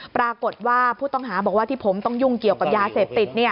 ปรากฏว่าผู้ต้องหาบอกว่าที่ผมต้องยุ่งเกี่ยวกับยาเสพติด